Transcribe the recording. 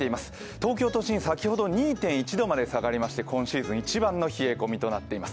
東京都心先ほど２．１度まで下がりまして今シーズン、一番の冷え込みとなっています。